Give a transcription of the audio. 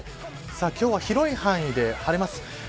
今日は広い範囲で晴れます。